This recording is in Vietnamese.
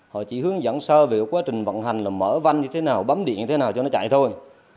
họ chỉ hướng dẫn sơ về quá trình vận hành là mở văn như thế nào bấm điện như thế nào cho nó chạy thôi